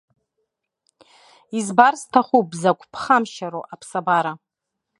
Избар сҭахуп закә ԥхамшьароу аԥсабара.